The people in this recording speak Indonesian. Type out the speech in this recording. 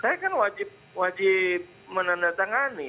saya kan wajib menanda tangani